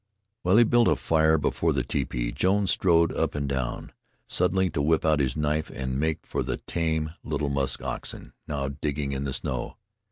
While he built a fire before the tepee, Jones strode up and down, suddenly to whip out his knife and make for the tame little musk oxen, now digging the snow.